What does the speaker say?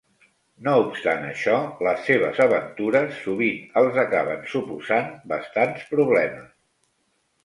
No obstant això, les seves aventures sovint els acaben suposant bastants problemes.